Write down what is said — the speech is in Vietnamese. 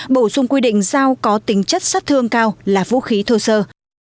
bổ sung quy định giao có tính chất sát thương cao là vũ khí thơ sơ